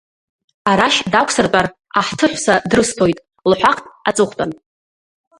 Арашь дақәсыртәар, аҳҭыҳәса дрысҭоит, лҳәахт аҵыхәтәан.